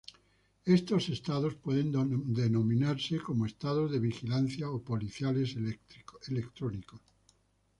Estos estados pueden denominarse como estados de vigilancia o policiales electrónicos.